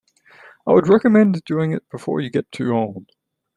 I would recommend doing it before you get too old.